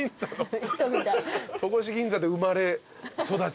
戸越銀座で生まれ育ち。